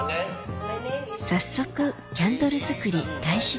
早速キャンドル作り開始です